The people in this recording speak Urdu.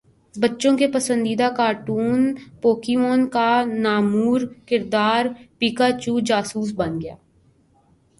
بچوں کے پسندیدہ کارٹون پوکیمون کا نامور کردار پکاچو جاسوس بن گیا